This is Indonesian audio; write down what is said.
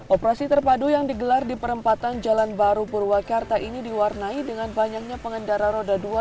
operasi terpadu yang digelar di perempatan jalan baru purwakarta ini diwarnai dengan banyaknya pengendara roda dua